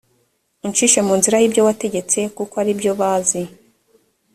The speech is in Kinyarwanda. uncishe mu nzira y ibyo wategetse kuko ari byo bazi